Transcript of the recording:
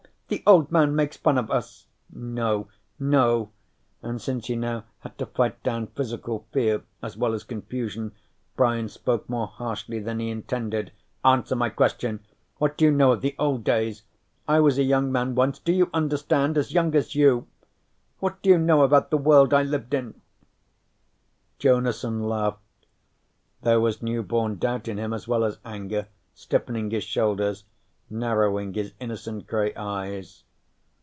The Old Man makes fun of us." "No, no." And since he now had to fight down physical fear as well as confusion, Brian spoke more harshly than he intended: "Answer my question! What do you know of the old days? I was a young man once, do you understand? As young as you. What do you know about the world I lived in?" Jonason laughed. There was new born doubt in him as well as anger, stiffening his shoulders, narrowing his innocent gray eyes.